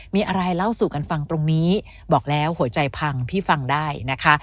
มีอะไรเล่าสู่กันฟังตรงนี้บอกแล้วหัวใจพังพี่ฟังได้นะคะ